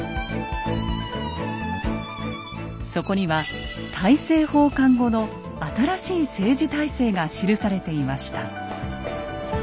そこには大政奉還後の新しい政治体制が記されていました。